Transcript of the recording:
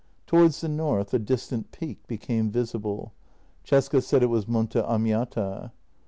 Towards the north a distant peak became visible — Cesca said it was Monte Amiata.